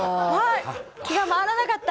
気が回らなかった。